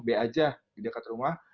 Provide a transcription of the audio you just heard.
b aja di dekat rumah